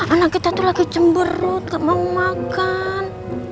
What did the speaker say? anak kita tuh lagi cemberut gak mau makan